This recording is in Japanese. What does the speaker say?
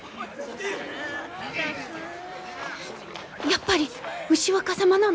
やっぱり牛若様なの？